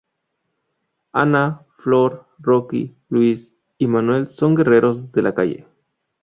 Ana, Flor, Rocky, Luis y Manuel son guerreros de la calle.